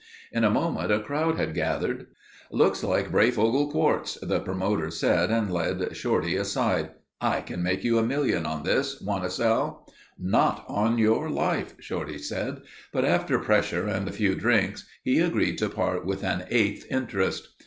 In a moment a crowd had gathered. "Looks like Breyfogle quartz," the promoter said and led Shorty aside. "I can make you a million on this. Want to sell?" "Not on your life," Shorty said, but after pressure and a few drinks, he agreed to part with an eighth interest.